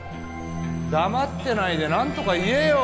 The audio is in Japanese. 黙ってないで何とか言えよ